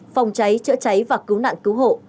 phòng cháy chữa cháy và cứu nạn cứu hộ